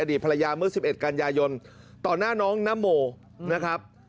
ภรรยาเมื่อ๑๑กันยายนต่อหน้าน้องนโมนะครับ